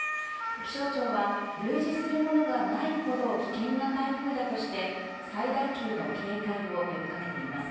気象庁は類似するものがないほど危険な台風だとして最大級の警戒を呼びかけています。